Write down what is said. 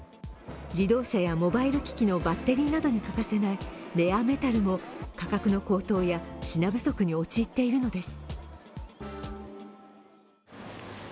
自動車やモバイル機器のバッテリーに欠かせないレアメタルも価格の高騰や品不足に陥っているのです。